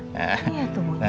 iya tuh bunyi